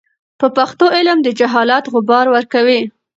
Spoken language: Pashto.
په پښتو علم د جهالت غبار ورکوي.